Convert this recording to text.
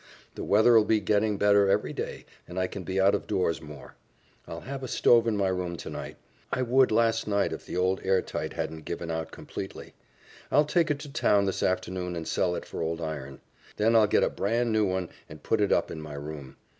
The weather'll be getting better every day and I can be out of doors more. I'll have a stove in my room tonight; I would last night if the old air tight hadn't given out completely. I'll take it to town this afternoon and sell it for old iron. Then I'll get a bran' new one and put it up in my room.